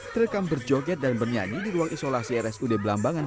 terekam berjoget dan bernyanyi di ruang isolasi rsud belambangan